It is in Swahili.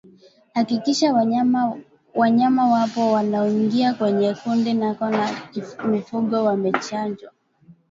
Hakikisha wanyama wapya wanaoingia kwenye kundi lako la mifugo wamechanjwa